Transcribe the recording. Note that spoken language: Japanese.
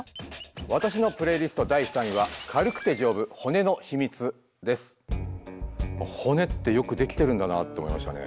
わたしのプレイリスト第３位は骨ってよくできてるんだなって思いましたね。